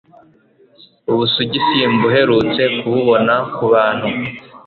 ubusugi simbuherutse kububona ku bantu